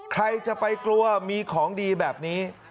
ใครจะไปกลัวมีของดีแบบนี้